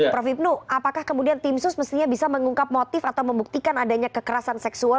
prof hipnu apakah kemudian tim sus mestinya bisa mengungkap motif atau membuktikan adanya kekerasan seksual